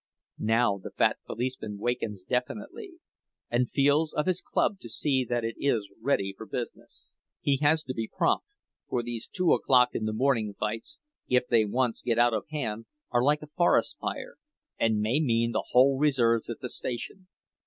Now the fat policeman wakens definitely, and feels of his club to see that it is ready for business. He has to be prompt—for these two o'clock in the morning fights, if they once get out of hand, are like a forest fire, and may mean the whole reserves at the station.